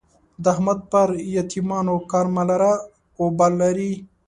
د احمد پر يتيمانو کار مه لره؛ اوبال لري.